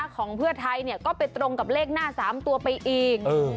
ของเพื่อไทยก็ไปตรงกับเลขหน้า๓ตัวไปอีก